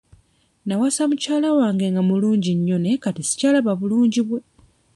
Nawasa mukyala wange nga mulungi nnyo naye kati sikyalaba bulungi bwe.